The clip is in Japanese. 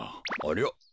ありゃ。